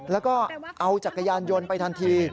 แล้วก็เอาจักรยานยนต์ไปทันที